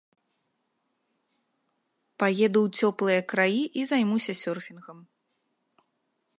Паеду ў цёплыя краі і займуся сёрфінгам.